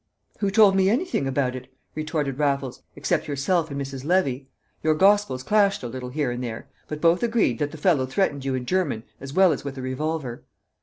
"Who told me anything about it," retorted Raffles, "except yourself and Mrs. Levy? Your gospels clashed a little here and there; but both agreed that the fellow threatened you in German as well as with a revolver."